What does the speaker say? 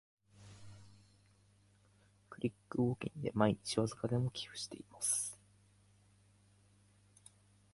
クリック募金で毎日わずかでも寄付してます